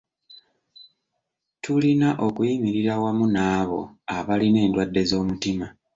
Tulina okuyimirira wamu n'abo abalina endwadde z'omutima